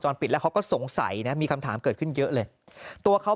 ปิดแล้วเขาก็สงสัยนะมีคำถามเกิดขึ้นเยอะเลยตัวเขา